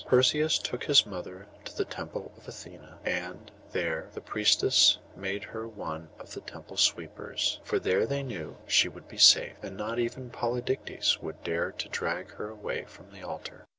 Perseus took his mother to the temple of Athené, and there the priestess made her one of the temple sweepers; for there they knew she would be safe, and not even Polydectes would dare to drag her away from the altar.